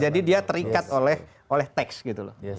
jadi dia terikat oleh teks gitu loh